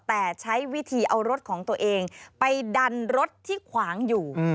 แต่ใช้วิธีเอารถของตัวเองไปดันรถที่ขวางอยู่